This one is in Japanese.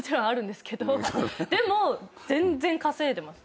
でも全然稼いでます。